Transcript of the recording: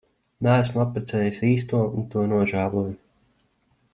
Neesmu apprecējis īsto un to nožēloju.